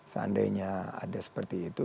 seandainya ada seperti itu